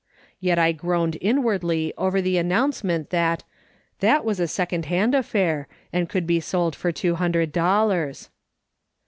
Yet I groaned inwardly over the announcement that " that was a second hand affair, and could be sold for two hundred dollars."